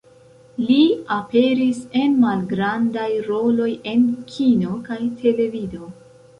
Li aperis en malgrandaj roloj en kino kaj televido.